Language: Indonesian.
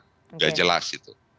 sudah jelas itu